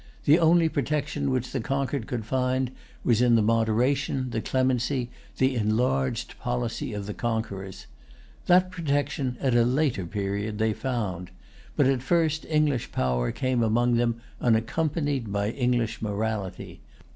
The only protection which the conquered could find was in the moderation, the clemency, the enlarged policy of the conquerors. That protection, at a later period, they found. But at first English power came among them unaccompanied by English morality.